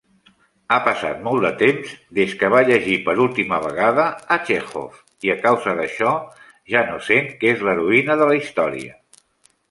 Ha passat molt temps des que va llegir per última vegada a Chekhov, i a causa d'això ja no sent que és l'heroïna de la història.